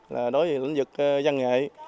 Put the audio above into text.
là đối với lĩnh vực dân nghệ